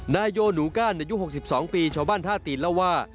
นายโยหนูก้านอายุ๖๒ปีชาวบ้านท่าตีนเล่าว่า